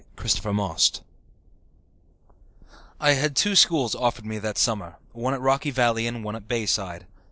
The Story of Uncle Dick I had two schools offered me that summer, one at Rocky Valley and one at Bayside.